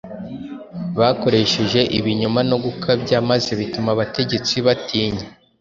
Bakoresheje ibinyoma no gukabya maze bituma abategetsi batinya